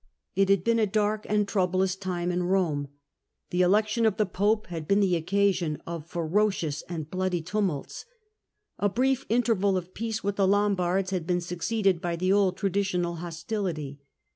It had been a dark and troublous tin&e in Rome ; the election of the pope had been the occav sion of ferocious and bloody tumults ; a brief interval of peace with the Lombards had been succeeded by the old traditional hostility.